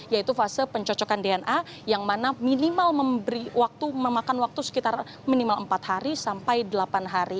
yaitu fase pencocokan dna yang mana minimal memakan waktu sekitar minimal empat hari sampai delapan hari